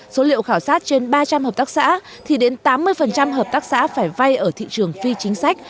số liệu khảo sát trên ba trăm linh hợp tác xã thì đến tám mươi hợp tác xã phải vay ở thị trường phi chính sách